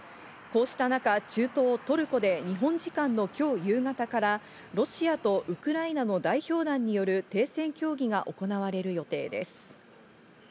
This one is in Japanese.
こうした中、中東のトルコで日本時間の今日夕方からロシアとウクライナの代表団による停戦協議が行われる予定です。